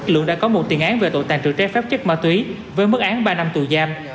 lượng đã có một tiền án về tội tàn trự trái phép chất ma túy với mức án ba năm tù giam